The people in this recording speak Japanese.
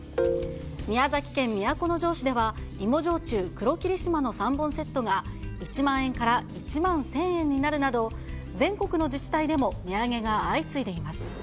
宮崎県都城市では芋焼酎黒霧島の３本セットが、１万円から１万１０００円になるなど、全国の自治体でも値上げが相次いでいます。